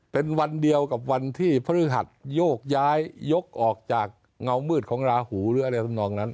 เป็นวันเดียวกับวันที่พฤหัสโยกย้ายยกออกจากเงามืดของราหูหรืออะไรทำนองนั้น